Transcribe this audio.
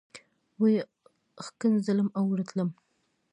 وه یې ښکنځلم او رټلم.